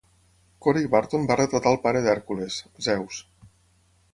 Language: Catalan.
Corey Burton va retratar el pare d'Hèrcules, Zeus.